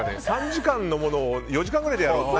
３時間のものを４時間くらいで。